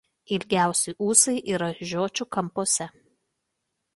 Ilgiausi ūsai yra žiočių kampuose.